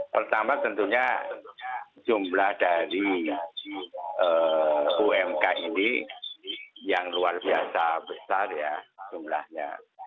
pertama tentunya jumlah dari umk ini yang luar biasa besar ya jumlahnya